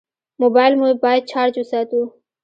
موبایل مو باید چارج وساتو.